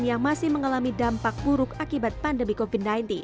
yang masih mengalami dampak buruk akibat pandemi covid sembilan belas